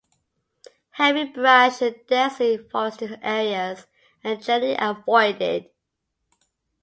Heavy brush and densely forested areas are generally avoided.